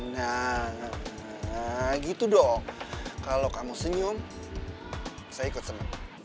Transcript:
nah gitu dong kalau kamu senyum saya ikut senang